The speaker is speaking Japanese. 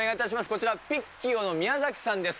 こちら、ピッキオの宮崎さんです。